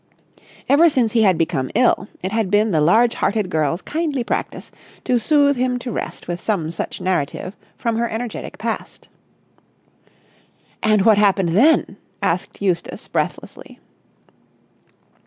Ever since he had become ill, it had been the large hearted girl's kindly practice to soothe him to rest with some such narrative from her energetic past. "And what happened then?" asked Eustace, breathlessly.